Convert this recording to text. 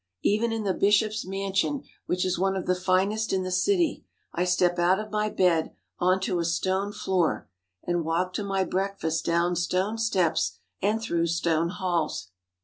Even in the Bishop's mansion, which is one of the finest in the city, I step out of my bed on to a stone floor and walk to my breakfast down stone steps and through stone halls.